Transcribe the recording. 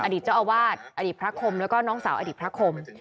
เจ้าอาวาสอดีตพระคมแล้วก็น้องสาวอดีตพระคม